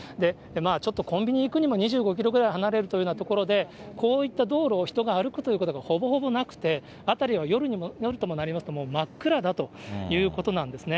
ちょっとコンビニ行くにも２５キロぐらい離れるというような所で、こういった道路を人が歩くということがほぼほぼなくて、辺りは夜ともなりますと、真っ暗だということなんですね。